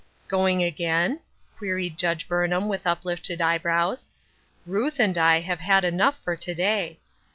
"Going again?" queried Juige Burnham, with uplifted eyebrows. " Ruth and I have had enough for to day."